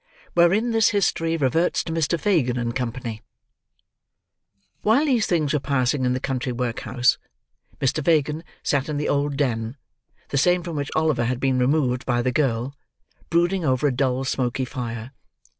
WHEREIN THIS HISTORY REVERTS TO MR. FAGIN AND COMPANY While these things were passing in the country workhouse, Mr. Fagin sat in the old den—the same from which Oliver had been removed by the girl—brooding over a dull, smoky fire.